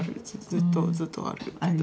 ずっとずっとあるけど。